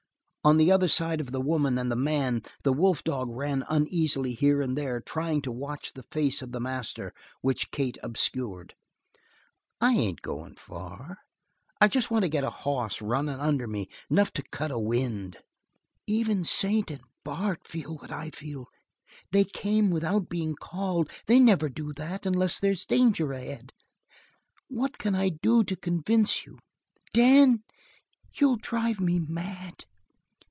On the other side of the woman and the man the wolf dog ran uneasily here and there, trying to watch the face of the master which Kate obscured. "I ain't goin' far. I just want to get a hoss runnin' under me enough to cut a wind." "Even Satan and Bart feel what I feel. They came without being called. They never do that unless there's danger ahead. What can I do to convince you? Dan, you'll drive me mad!"